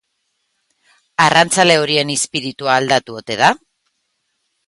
Arrantzale horien izpiritua aldatu ote da?